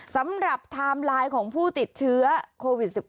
ไทม์ไลน์ของผู้ติดเชื้อโควิด๑๙